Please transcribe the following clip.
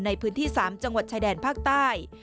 ในพื้นที่๓จังหวัดชายแดนภาคใต้